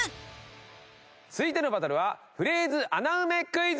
続いてのバトルはフレーズ穴埋めクイズ！